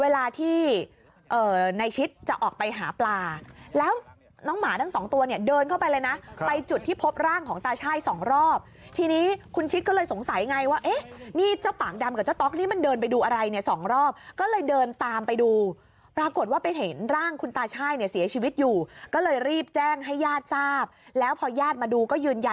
เวลาที่ในชิดจะออกไปหาปลาแล้วน้องหมาทั้งสองตัวเนี่ยเดินเข้าไปเลยนะไปจุดที่พบร่างของตาช่ายสองรอบทีนี้คุณชิดก็เลยสงสัยไงว่าเอ๊ะนี่เจ้าปากดำกับเจ้าต๊อกนี่มันเดินไปดูอะไรเนี่ยสองรอบก็เลยเดินตามไปดูปรากฏว่าไปเห็นร่างคุณตาช่ายเนี่ยเสียชีวิตอยู่ก็เลยรีบแจ้งให้ญาติทราบแล้วพอญาติมาดูก็ยืนย